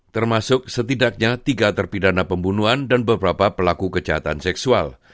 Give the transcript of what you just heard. termasuk setidaknya tiga terpidana pembunuhan dan beberapa pelaku kejahatan seksual